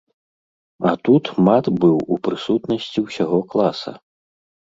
А тут мат быў у прысутнасці ўсяго класа.